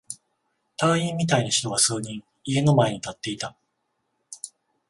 隊員みたいな人が数人、家の前に立っていた。